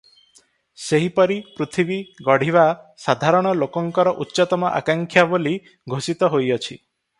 ସେହିପରି ପୃଥିବୀ ଗଢ଼ିବା ସାଧାରଣ ଲୋକଙ୍କର ଉଚ୍ଚତମ ଆକାଙ୍କ୍ଷା ବୋଲି ଘୋଷିତ ହୋଇଅଛି ।